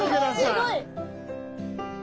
すごい！